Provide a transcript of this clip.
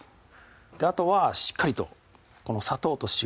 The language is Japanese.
あとはしっかりとこの砂糖と塩